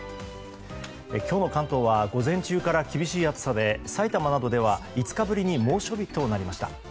今日の関東は午前中から厳しい暑さで埼玉などでは５日ぶりに猛暑日となりました。